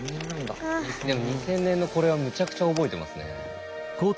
２０００年のこれはめちゃくちゃ覚えてますね。